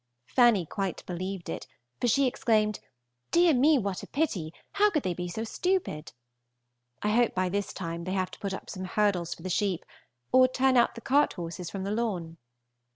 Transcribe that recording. Fanny quite believed it, for she exclaimed, "Dear me, what a pity, how could they be so stupid!" I hope by this time they have put up some hurdles for the sheep, or turned out the cart horses from the lawn.